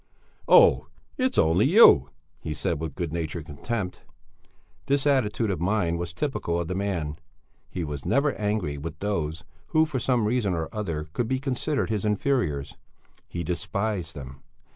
"Oh, it's only you?" he said with good natured contempt. This attitude of mind was typical of the man; he was never angry with those who for some reason or other could be considered his inferiors; he despised them.